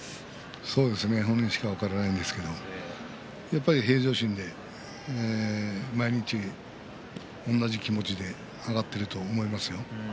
そうですね、本人しか分からないですけどやっぱり平常心で毎日、同じ気持ちで上がっていると思いますよ。